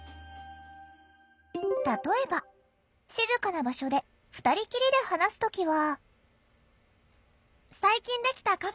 例えば静かな場所で２人きりで話す時は。